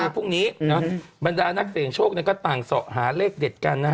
พรุ่งนี้บรรดานักเสียงโชคก็ต่างเสาะหาเลขเด็ดกันนะฮะ